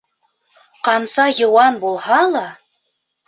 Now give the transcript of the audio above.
Ҡанса йыуан булһа ла